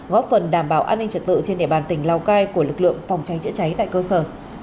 góp phần đảm bảo an ninh trật tự trên địa bàn tỉnh lào cai của lực lượng phòng cháy chữa cháy tại cơ sở